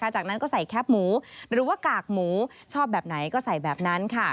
จากนั้นก็ใส่แคปหมูหรือว่ากากหมูชอบแบบไหนก็ใส่แบบนั้นค่ะ